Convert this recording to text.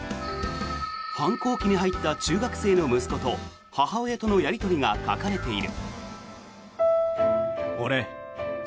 反抗期に入った中学生の息子と母親とのやり取りが書かれている。